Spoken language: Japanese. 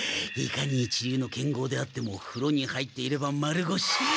いかに一流の剣豪であってもふろに入っていれば丸ごし。